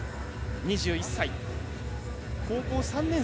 ２１歳。